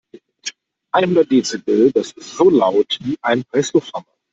Einhundert Dezibel, das ist so laut wie ein Presslufthammer.